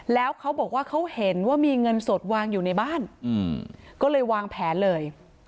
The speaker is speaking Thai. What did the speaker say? แล้วเขาบอกว่าเขาเห็นว่ามีเงินสดวางอยู่ในบ้านก็เลยวางแผนเลย